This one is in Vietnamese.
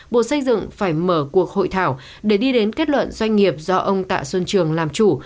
bộ xây dựng phải mở cuộc hội thảo để đi đến kết luận doanh nghiệp do ông tạ xuân trường làm chủ